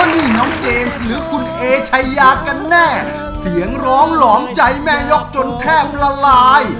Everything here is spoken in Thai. นี่น้องเจมส์หรือคุณเอชายากันแน่เสียงร้องหลอมใจแม่ยกจนแทบละลาย